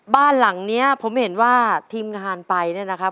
บ้านหลังนี้ผมเห็นว่าทีมงานไปเนี่ยนะครับ